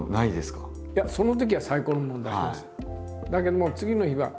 いやそのときは最高のものを出します。